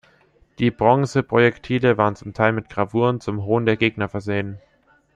Die Bronze-Projektile waren zum Teil mit Gravuren zum Hohn der Gegner versehen.